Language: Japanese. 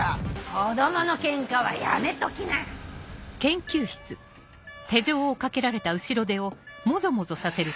・子供のケンカはやめときな・あぁ。